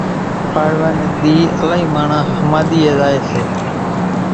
پاڙوا ني ۮي الائِي ماڻۿان ۿماۮِيئين زائي سي